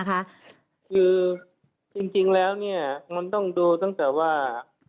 คือจริงแล้วเนี่ยมันต้องดูตั้งแต่ว่า